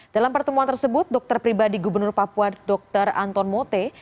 dalam pertemuan tersebut dokter pribadi gubernur papua dr anton mote